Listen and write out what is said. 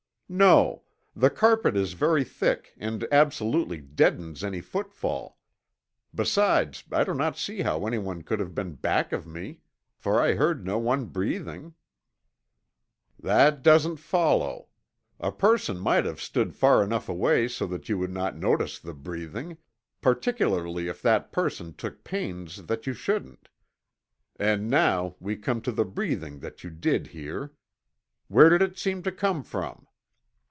"No. The carpet is very thick and absolutely deadens any footfall. Besides I do not see how anyone could have been back of me for I heard no one breathing." "That doesn't follow. A person might have stood far enough away so that you would not notice the breathing, particularly if that person took pains that you shouldn't. And now we come to the breathing that you did hear. Where did it seem to come from?"